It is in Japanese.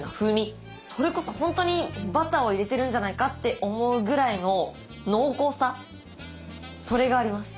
それこそ本当にバターを入れてるんじゃないかって思うぐらいの濃厚さそれがあります。